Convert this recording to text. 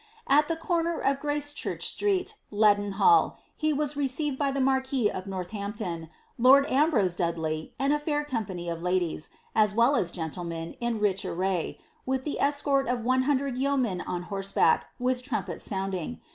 At the comer of Grae^ churcii street, Leadenhall, lie waa received by ilie marquin of Nnrlh aoipltin, lord Ambrose Dudley, and a fair company of ladies, an well aa gentlemen, in rich array, wiih the eacorl of 101) yeomen on horaebaek, with trumpets sounding.